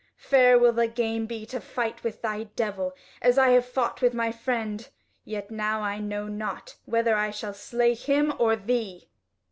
Fair will the game be to fight with thy devil as I have fought with my friend! Yet now I know not whether I shall slay him or thee."